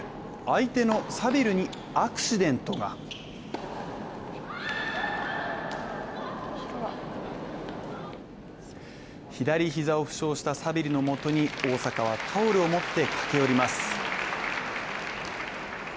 相手のサビルにアクシデントが左膝を負傷したサビルのもとに大坂はタオルを持って駆け寄ります。